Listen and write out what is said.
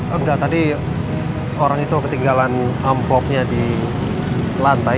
enggak tadi orang itu ketinggalan envelope nya di lantai